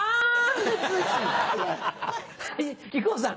はい木久扇さん。